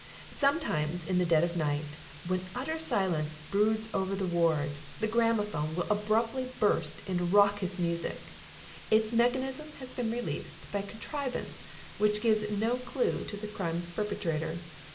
Sometimes in the dead of night, when utter silence broods over the ward, the gramophone will abruptly burst into raucous music: its mechanism has been released by a contrivance which gives no clue to the crime's perpetrator.